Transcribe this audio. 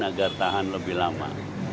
agar tahan lebih lama